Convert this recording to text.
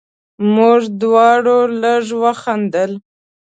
موږ دواړو لږ وخندل.